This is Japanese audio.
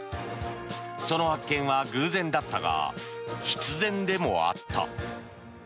その発見は偶然だったが必然でもあった。